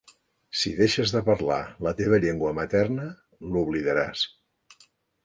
Si deixes de parlar la teva llengua materna, l'oblidaràs.